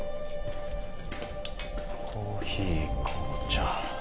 コーヒー紅茶。